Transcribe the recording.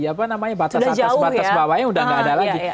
apa namanya batas atas batas bawahnya udah nggak ada lagi